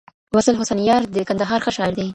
واصل حسنیار د کندهار ښه شاعر دی